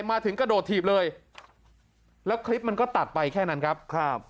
มาถึงกระโดดถีบเลยแล้วคลิปมันก็ตัดไปแค่นั้นครับ